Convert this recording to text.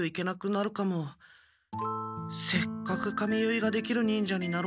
せっかく髪結いができる忍者になろうと思っていたのに。